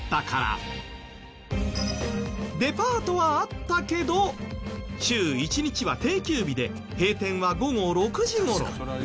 デパートはあったけど週１日は定休日で閉店は午後６時頃。